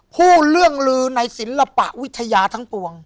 พูดเรื่องลือในศิลปวิทยาทั้งปวง